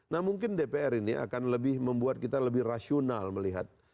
nah mungkin dpr ini akan lebih membuat kita lebih rasional melihat